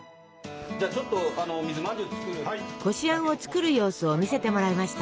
こしあんを作る様子を見せてもらいました。